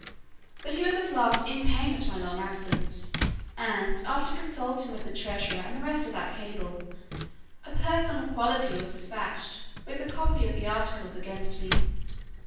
But he was at last in pain at my long absence; and after consulting with the treasurer and the rest of that cabal, a person of quality was dispatched with the copy of the articles against me.